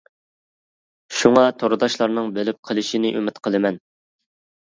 شۇڭا تورداشلارنىڭ بىلىپ قېلىشىنى ئۈمىد قىلىمەن.